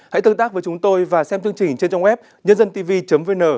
hãy tương tác với chúng tôi và xem chương trình trên trang web nhândântv vn